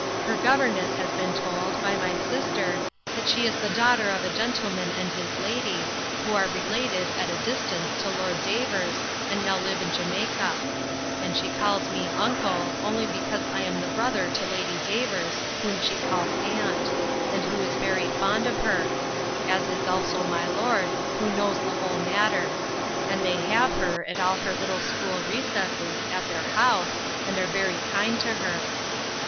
Her governess has been told, by my sister, that she is the daughter of a gentleman and his lady, who are related, at a distance, to Lord Davers, and now live in Jamaica; and she calls me uncle, only because I am the brother to Lady Davers, whom she calls aunt, and who is very fond of her: as is also my lord, who knows the whole matter; and they have her, at all her little school recesses, at their house, and are very kind to her.